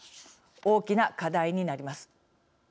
大きな課題になります。